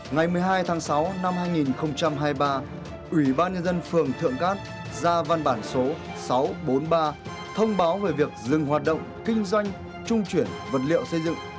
ngày một mươi hai tháng sáu năm hai nghìn hai mươi ba ủy ban nhân dân phường thượng cát ra văn bản số sáu trăm bốn mươi ba thông báo về việc dừng hoạt động kinh doanh trung chuyển vật liệu xây dựng